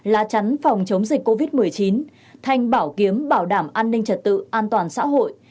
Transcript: lá chắn phòng chống dịch covid một mươi chín thanh bảo kiếm bảo đảm an ninh trật tự an toàn xã hội